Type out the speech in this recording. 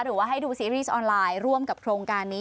หรือว่าให้ดูซีรีส์ออนไลน์ร่วมกับโครงการนี้